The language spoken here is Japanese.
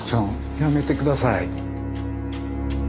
やめてください！